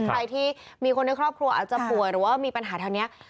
ใครที่มีคนในครอบครัวอาจจะป่วยหรือว่ามีปัญหาทางนี้